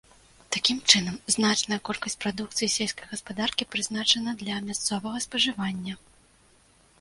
Такім чынам, значная колькасць прадукцыі сельскай гаспадаркі прызначана для мясцовага спажывання.